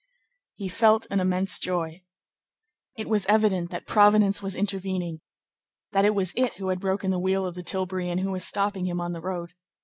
He felt an immense joy. It was evident that Providence was intervening. That it was it who had broken the wheel of the tilbury and who was stopping him on the road.